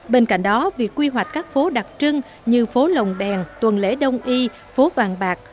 bên cạnh đó việc quy hoạch các phố đặc trưng như phố lồng đèn tuần lễ đông y phố vàng bạc